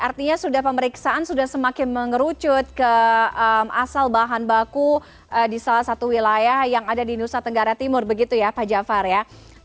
artinya sudah pemeriksaan sudah semakin mengerucut ke asal bahan baku di salah satu wilayah yang ada di nusa tenggara timur begitu ya pak jafar ya